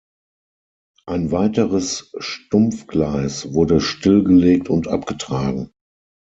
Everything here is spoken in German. Ein weiteres Stumpfgleis wurde stillgelegt und abgetragen.